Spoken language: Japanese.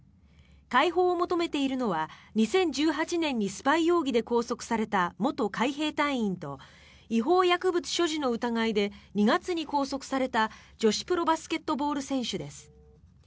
解放を求めているのは２０１８年にスパイ容疑で拘束された元海兵隊員と違法薬物所持の疑いで２月に拘束された女子プロバスケットボール選手です。